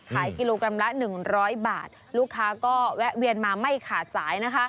ขายกิโลกรัมละ๑๐๐บาทลูกค้าก็แวะเวียนมาไม่ขาดสายนะคะ